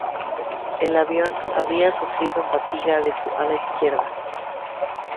El avión había sufrido fatiga de su ala izquierda.